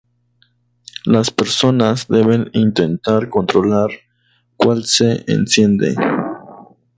Las personas deben intentar controlar cuál se enciende.